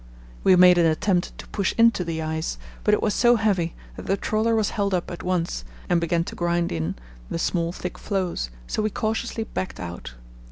We made an attempt to push into the ice, but it was so heavy that the trawler was held up at once and began to grind in the small thick floes, so we cautiously backed out.